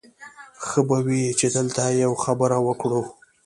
ښه به وي چې دلته یوه خبره وکړو